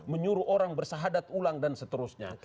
menyuruh orang bersahadat ulang dan seterusnya